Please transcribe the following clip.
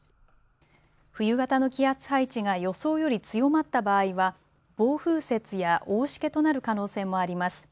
冬型の気圧配置が予想より強まった場合は暴風雪や大しけとなる可能性もあります。